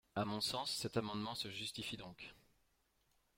À mon sens, cet amendement se justifie donc.